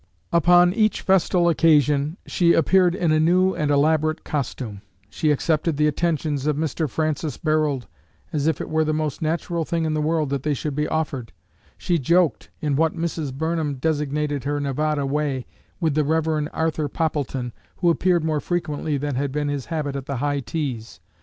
Upon each festal occasion she appeared in a new and elaborate costume: she accepted the attentions of Mr. Francis Barold, as if it were the most natural thing in the world that they should be offered; she joked in what Mrs. Burnham designated "her Nevada way" with the Rev. Arthur Poppleton, who appeared more frequently than had been his habit at the high teas.